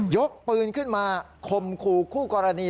ยกปืนขึ้นมาข่มขู่คู่กรณี